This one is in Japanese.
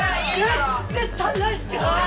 ・・全然足んないんすけど！